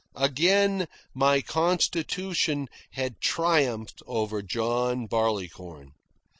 Again my constitution had triumphed over John Barleycorn.